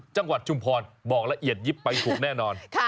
ชุมพรบอกละเอียดยิบไปถูกแน่นอน